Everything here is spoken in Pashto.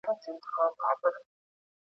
ايا انلاين درسونه د خپلواکي مهارتونه قوي کوي؟